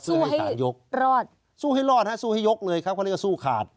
ให้สามยกรอดสู้ให้รอดฮะสู้ให้ยกเลยครับเขาเรียกว่าสู้ขาด